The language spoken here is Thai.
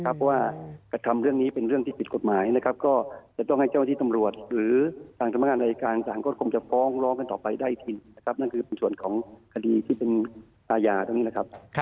เพราะว่ากระทำเรื่องนี้เป็นเรื่องที่ผิดกฎหมายนะครับก็จะต้องให้เจ้าที่ตำรวจหรือทางสำนักงานอายการศาลก็คงจะฟ้องร้องกันต่อไปได้อีกทีนะครับนั่นคือเป็นส่วนของคดีที่เป็นอาญาตรงนี้นะครับ